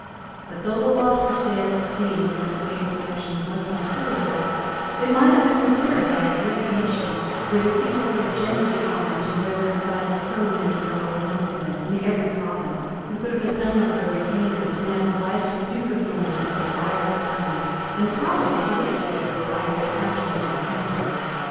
But though the loss which they had sustained in that fatal action was considerable, it might have been repaired by a great nation; where the people were generally armed, and where there resided so many powerful noblemen in every province, who could have assembled their retainers, and have obliged the duke of Normandy to divide his army, and probably to waste it in a variety of actions and rencounters.